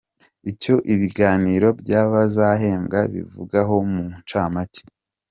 Icyo ibiganiro by’abazahembwa bivugaho mu ncamake….